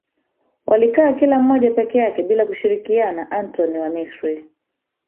walikaa kila mmoja peke yake bila kushirikiana Antoni wa Misri